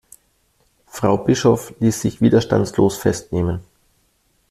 Frau Bischof ließ sich widerstandslos festnehmen.